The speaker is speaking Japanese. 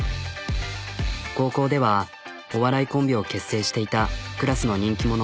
高校ではお笑いコンビを結成していたクラスの人気者。